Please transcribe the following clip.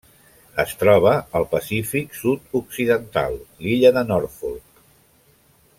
Es troba al Pacífic sud-occidental: l'illa Norfolk.